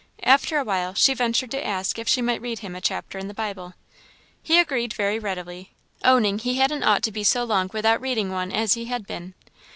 After a while she ventured to ask if she might read him a chapter in the Bible. He agreed very readily; owning "he hadn't ought to be so long without reading one as he had been."